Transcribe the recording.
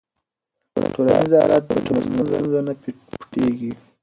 ټولنیز حالت د ټولنې له ستونزو نه پټيږي.